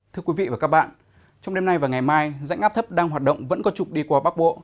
thưa quý vị và các bạn trong đêm nay và ngày mai dãy ngáp thấp đang hoạt động vẫn có trục đi qua bắc bộ